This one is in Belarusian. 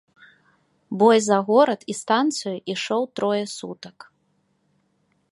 Бой за горад і станцыю ішоў трое сутак.